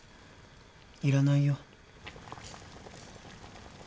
いらないよ